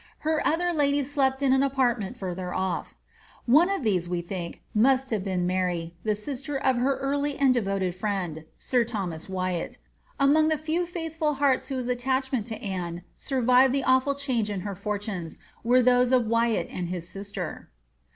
Her other ladies slept in an apartment further off. One of these, we think, must have been Mary, the sister of her early and devoted friend, sir Thomas Wyatt. Among the few faithful hearts whose attachment to Anne Boleyn survived the awful change in her fortunes, were those of Wyatt and his sister.